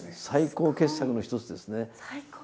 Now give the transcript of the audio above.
最高傑作の一つですね。